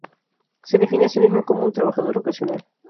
Se define a sí mismo como "un trabajador ocasional".